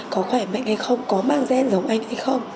có khỏe mạnh hay không có mang gen giống anh hay không